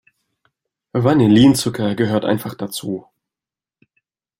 Vanillinzucker gehört einfach dazu.